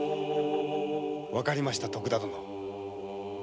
わかりました徳田殿。